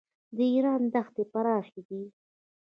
د ایران دښتې پراخې دي.